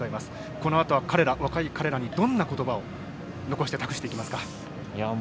このあとは若い彼らにどんなことばを残して、託していきますか？